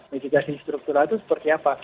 mitigasi struktural itu seperti apa